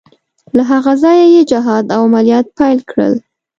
له هغه ځایه یې جهاد او عملیات پیل کړل.